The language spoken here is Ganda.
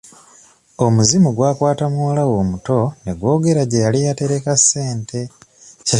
Omuzimu gwakata muwalawe omuto ne gw'ogera gye yali yatereka ssente.